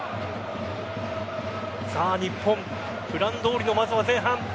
日本プランどおりのまずは前半。